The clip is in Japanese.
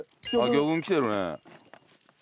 魚群来てるね。